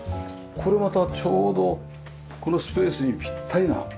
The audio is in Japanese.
これまたちょうどこのスペースにピッタリな。